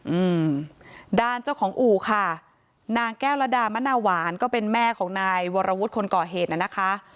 อืมด้านเจ้าของอู่ค่ะนางแก้วระดามนาหวานก็เป็นแม่ของนายวรวุฒิคนก่อเหตุน่ะนะคะ